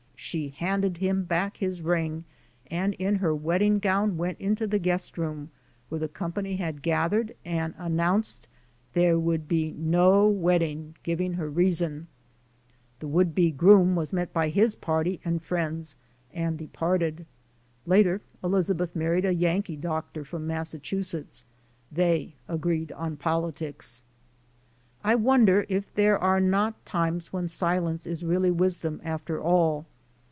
She handed him back his ring and in her wedding gown went into the guest room where the company had gathered and an nounced there would be no wedding, giving her reason. *^The would be groom was met by his party and friends and departed. Later Elizabeth married a Yankee doctor from Massachusetts. They agreed on politics. I wonder if there are not times when silence is really wisdom after all.